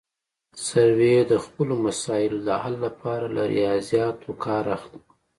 سروې د خپلو مسایلو د حل لپاره له ریاضیاتو کار اخلي